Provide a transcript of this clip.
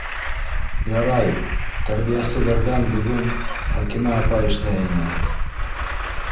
Ярай, тәрбиәселәрҙән бөгөн Хәкимә апай эшләй ине.